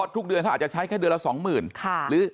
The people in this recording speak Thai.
ทุกเดือนเขาอาจจะใช้แค่เดือนละ๒๐๐๐บาท